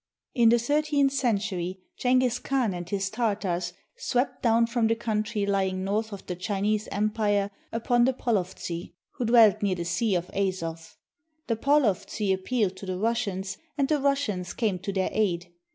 In the thirteenth century, Jenghiz Khan and his Tartars swept down from the country lying north of the Chinese Em pire upon the Polovtsi, who dwelt near the Sea of Azov. The Polovtsi appealed to the Russians, and the Russians came to their aid.